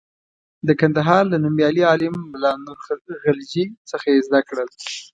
د کندهار له نومیالي عالم ملا نور غلجي څخه یې زده کړل.